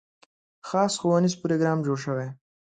خاص ښوونیز پروګرام جوړ شوی.